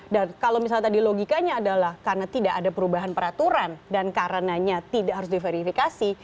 dan kalau misalnya tadi logikanya adalah karena tidak ada perubahan peraturan dan karenanya tidak harus diverifikasi